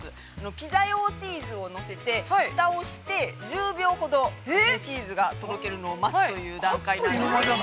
ピザ用チーズをのせて、ふたをして、１０秒ほどチーズがとろけるのを待つという段階です。